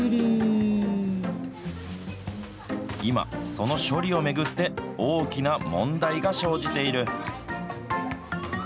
今、その処理を巡って、大きな問題が生じている。